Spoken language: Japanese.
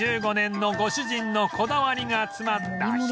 １５年のご主人のこだわりが詰まったひと品